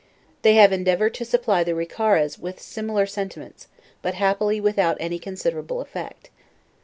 They have endeavored to inspire the Ricaras with similar senti ments, but, happily, without any considerable effect.